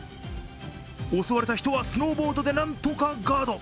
襲われた人は、スノーボードで何とかガード。